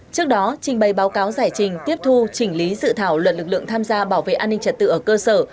trước đó trình bày báo cáo giải trình tiếp thu chỉnh lý dự thảo luật lực lượng tham gia bảo vệ an ninh trật tự ở cơ sở